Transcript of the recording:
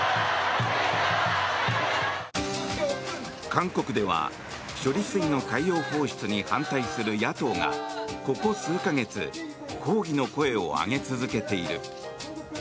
韓国では処理水の海洋放出に反対する野党がここ数か月抗議の声を上げ続けている。